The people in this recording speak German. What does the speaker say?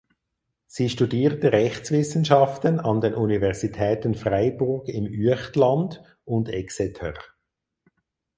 Sie studierte Rechtswissenschaften an den Universitäten Freiburg im Üechtland und Exeter.